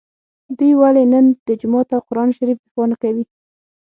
دوی ولي نن د جومات او قران شریف دفاع نکوي